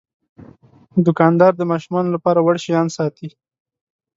دوکاندار د ماشومانو لپاره وړ شیان ساتي.